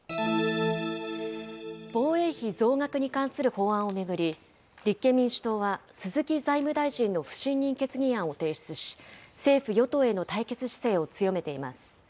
防衛費増額に関する法案を巡り、立憲民主党は、鈴木財務大臣の不信任決議案を提出し、政府・与党への対決姿勢を強めています。